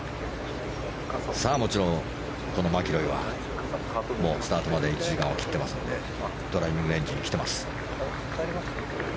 もちろんこのマキロイはスタートまで１時間を切っていますのでドライビングレンジに来ています。